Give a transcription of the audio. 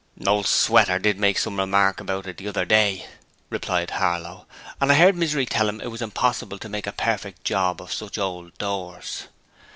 'Old Sweater did make some remark about it the other day,' replied Harlow, 'and I heard Misery tell 'im it was impossible to make a perfect job of such old doors.'